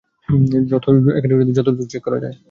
যত দ্রুত চেক করা যায়!